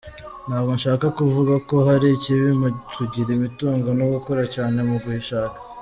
Ntabwo nshaka kuvuga ko hari ikibi mu kugira imitungo no gukora cyane mu kuyishaka.